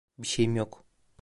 Bir şeyim yok.